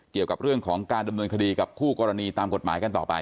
เกี่ยวกับเรื่องของการดำเนินคดีกับคู่กรณีตามกฎหมายกันต่อไป